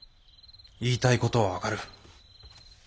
言いたい事は分かる。